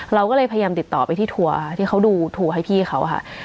เราก็เลยพยายามติดต่อไปที่ทัวร์ที่เขาดูทัวร์ให้พี่เขาค่ะ